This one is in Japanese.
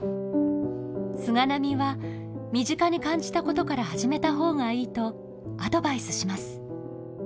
菅波は身近に感じたことから始めた方がいいとアドバイスします。